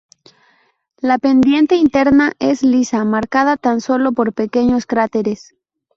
La pendiente interna es lisa, marcada tan solo por pequeños cráteres.